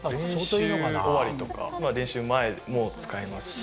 練習終わりとか、練習前も使います。